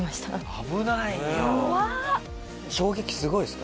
危ないよ。